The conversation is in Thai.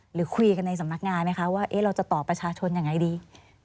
หรือคุยกันในสำนักงานไหมคะว่าเราจะต่อประชาชนยังไงดี